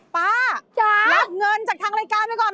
ป้ารับเงินจากทางรายการไปก่อน